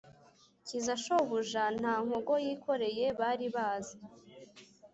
kiza shobuja nta ngogo yikoreye bari bazi,